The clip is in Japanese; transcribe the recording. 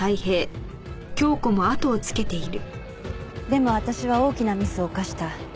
でも私は大きなミスを犯した。